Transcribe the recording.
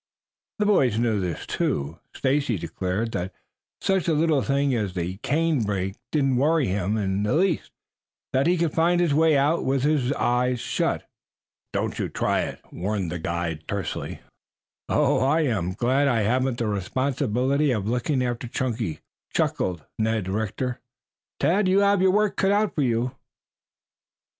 The boys knew this, too. Stacy declared that such a little thing as the canebrake didn't worry him in the least; that he could find his way out with his eyes shut. "Don't try it," warned the guide tersely. "I am glad I haven't the responsibility of looking after Chunky," chuckled Ned Rector. "Tad, you have your work cut out for you."